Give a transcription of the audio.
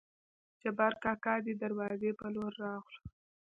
جبارکاکا دې دروازې په لور راغلو.